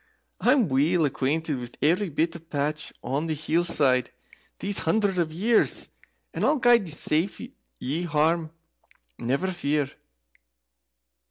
I'm weel acquaint with every bit path on the hill side these hundreds of years, and I'll guide ye safe hame, never fear!"